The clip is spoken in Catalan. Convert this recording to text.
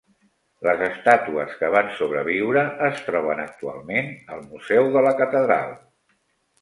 Les estàtues que van sobreviure es troben actualment al Museu de la Catedral.